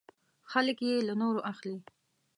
خلک یې له نورو اخلي .